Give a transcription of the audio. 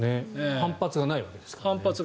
反発がないわけですから。